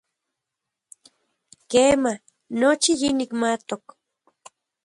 Kema, nochi yinikmatok.